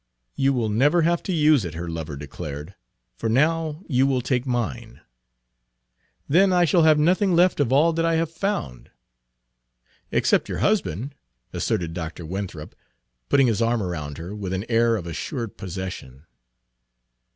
"You will never have to use it," her lover declared, "for now you will take mine." "Then I shall have nothing left of all that I have found" "Except your husband," asserted Dr. Winthrop, putting his arm around her, with an air of assured possession.